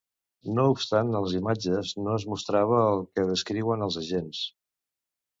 No obstant, a les imatges no es mostrava el que descriuen els agents.